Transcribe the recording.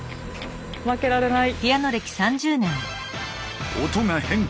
負けられない！